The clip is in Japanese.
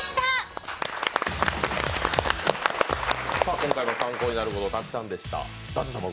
今回は参考になることたくさんでした。